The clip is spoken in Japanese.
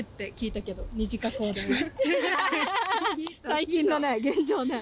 最近のね現状ね。